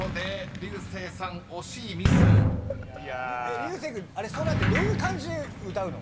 竜星君「空」ってどういう感じで歌うの？